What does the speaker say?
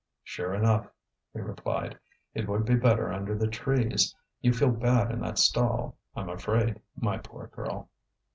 "Sure enough," he replied, "it would be better under the trees. You feel bad in that stall, I'm afraid, my poor girl."